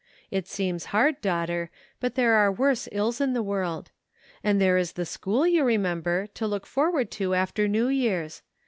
It seems hard, daughter, but there 12 DISAPPOINTMENT. are worse ills in the world. And there is the school, you remember, to look forward to after New Year's.